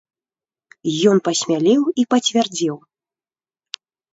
Ён пасмялеў і пацвярдзеў.